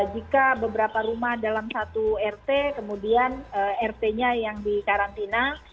jika beberapa rumah dalam satu rt kemudian rt nya yang dikarantina